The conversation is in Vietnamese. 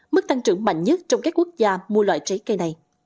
mức tăng trưởng mạnh nhất trong các quốc gia mua loại trái cây này